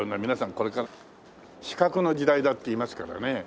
これから資格の時代だっていいますからね。